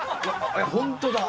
本当だ。